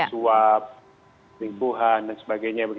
suap lingkuhan dan sebagainya